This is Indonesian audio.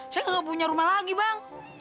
saya nggak punya rumah lagi bang